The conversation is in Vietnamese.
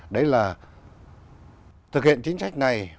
đấy là thực hiện chính sách này